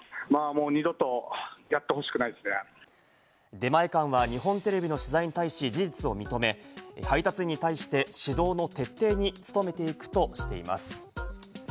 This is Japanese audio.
出前館は日本テレビの取材に対し、事実を認め、配達員に対して指導の徹底に努めていくとしています。